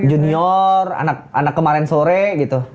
junior anak anak kemarin sore gitu